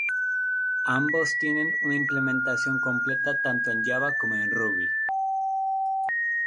Ambos tienen una implementación completa tanto en Java como en Ruby.